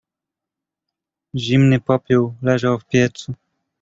"Zimny popiół leżał w piecu."